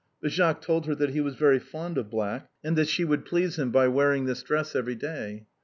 But Jacques told her that he was very fond of black, and that she would please him by wearing this dress every day.